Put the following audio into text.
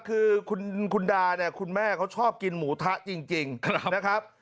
คือคุณดาเนี่ยคุณแม่เขาชอบกินหมูทะจริงนะครับ